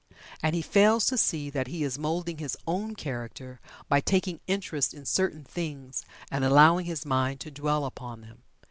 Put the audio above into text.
And he fails to see that he is moulding his own character by taking interest in certain things, and allowing his mind to dwell upon them.